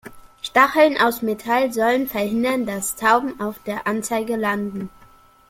Stacheln aus Metall sollen verhindern, dass Tauben auf der Anzeige landen.